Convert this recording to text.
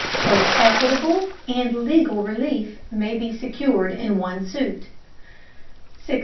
Both equitable and legal relief may be secured in one suit. 604.